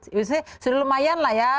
biasanya sudah lumayan lah ya